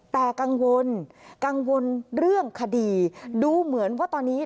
แต่กังวลกังวลเรื่องคดีดูเหมือนว่าตอนนี้